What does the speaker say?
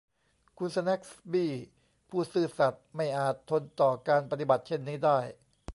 คุณสแนกส์บี้ผู้ซื่อสัตย์ไม่อาจทนต่อการปฏิบัติเช่นนี้ได้